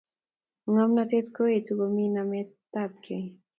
ngomnatet koetu komi namet apkei